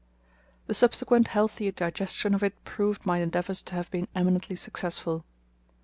The subsequent healthy digestion of it proved my endeavours to have been eminently successful.